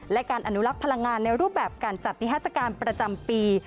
และการอนุลักษ์พลังงานในรูปแบบการจัดนิทัศกาลประจำปี